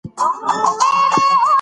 که زه هڅه وکړم، بريالی کېږم.